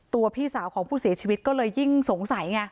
พี่สาวของผู้เสียชีวิตก็เลยยิ่งสงสัยไง